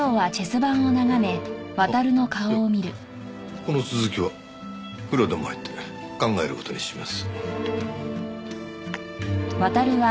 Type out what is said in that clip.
この続きは風呂でも入って考える事にします。